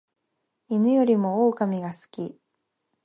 犬よりも狼が好き